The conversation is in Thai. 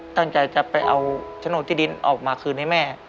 ตั้งใจจะไปเอาโฉนดที่ดินออกมาคืนให้แม่